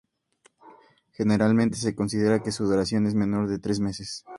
Generalmente, se considera que su duración es menor de tres meses.